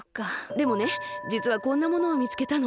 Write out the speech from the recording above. でもねじつはこんなものをみつけたの。